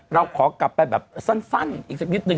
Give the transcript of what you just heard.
เราขอกลับไปแบบสั้นอีกสักนิดหนึ่ง